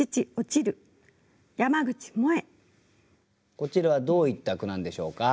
こちらはどういった句なんでしょうか？